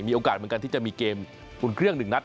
มีโอกาสเหมือนกันที่จะมีเกมอุ่นเครื่องหนึ่งนัด